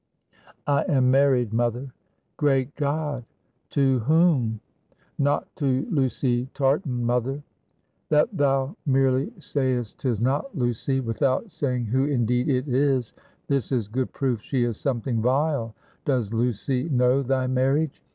"I am married, mother." "Great God! To whom?" "Not to Lucy Tartan, mother." "That thou merely sayest 'tis not Lucy, without saying who indeed it is, this is good proof she is something vile. Does Lucy know thy marriage?"